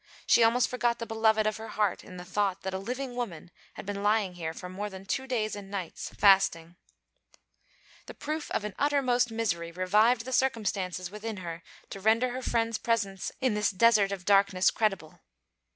She almost forgot the beloved of her heart in the thought that a living woman had been lying here more than two days and nights, fasting. The proof of an uttermost misery revived the circumstances within her to render her friend's presence in this desert of darkness credible.